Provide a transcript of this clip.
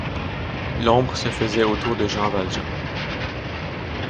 L’ombre se faisait autour de Jean Valjean.